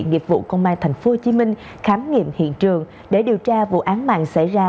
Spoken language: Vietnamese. nghiệp vụ công an tp hcm khám nghiệm hiện trường để điều tra vụ án mạng xảy ra